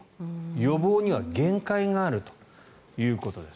予防には限界があるということです。